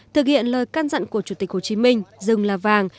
thực hiện lời căn dặn của chủ tịch hồ chí minh rừng là vàng